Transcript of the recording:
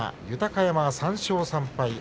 豊山は３勝３敗